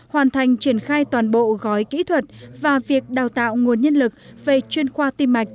hoàn thành triển khai toàn bộ gói kỹ thuật và việc đào tạo nguồn nhân lực về chuyên khoa tim mạch